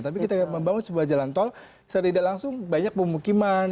tapi kita membangun sebuah jalan tol secara tidak langsung banyak pemukiman